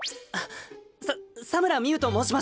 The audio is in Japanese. さっ佐村未祐と申します！